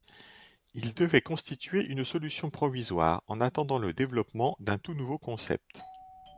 Ils devaient constituer une solution provisoire, en attendant le développement d'un tout nouveau concept.